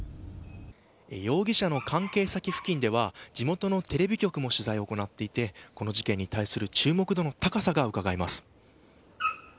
容疑者の関係先付近では地元のテレビ局も取材を行っていてこの事件に対する注目度の高さがうかがえます。